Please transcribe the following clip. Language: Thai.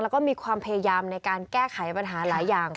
แล้วก็มีความพยายามในการแก้ไขปัญหาหลายอย่าง